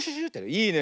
いいね。